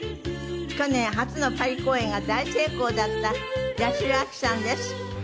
去年初のパリ公演が大成功だった八代亜紀さんです。